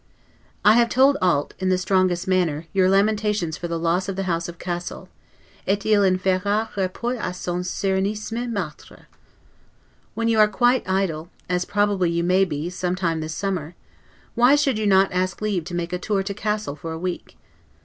I have told Alt, in the strongest manner, your lamentations for the loss of the House of Cassel, 'et il en fera rapport a son Serenissime Maitre'. When you are quite idle (as probably you may be, some time this summer), why should you not ask leave to make a tour to Cassel for a week?